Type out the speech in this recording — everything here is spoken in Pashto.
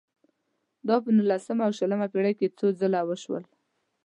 دا په نولسمه او شلمه پېړۍ کې څو ځله وشول.